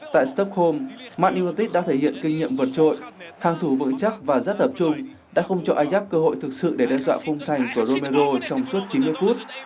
tại stockholm man utd đã thể hiện kinh nghiệm vượt trội hàng thủ vững chắc và rất tập trung đã không cho ajax cơ hội thực sự để đe dọa phung thành của romero trong suốt chín mươi phút